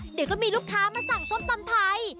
เดี๋ยวก็มีลูกค้ามาสั่งส้มตำไทย